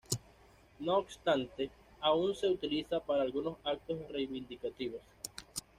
No obstante, aún se utiliza para algunos actos reivindicativos.